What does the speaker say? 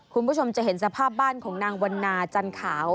คุณผู้ชมจะเห็นสภาพบ้านของนางวันนาจันขาว